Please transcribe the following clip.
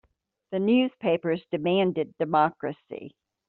The newspapers demanded democracy.